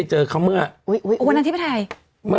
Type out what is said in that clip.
อันคารที่ผ่านมานี่เองไม่กี่วันนี่เอง